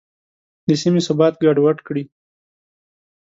د سیمې ثبات ګډوډ کړي.